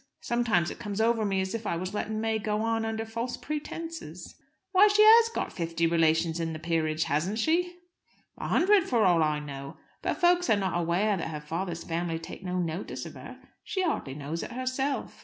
Sometimes it comes over me as if I was letting May go on under false pretences." "Why, she has got fifty relations in the peerage, hasn't she?" "A hundred, for all I know. But folks are not aware that her father's family take no notice of her. She hardly knows it herself."